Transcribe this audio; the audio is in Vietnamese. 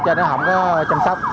cho nó không có chăm sóc